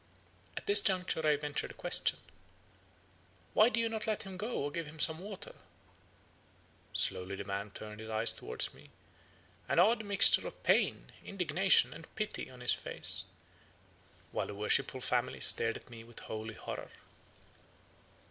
At this juncture I ventured a question: "'Why do you not let him go, or give him some water?' "Slowly the man turned his eyes toward me, an odd mixture of pain, indignation, and pity on his face, while the worshipful family stared at me with holy horror.